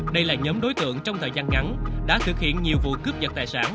đây là nhóm đối tượng trong thời gian ngắn đã thực hiện nhiều vụ cướp giật tài sản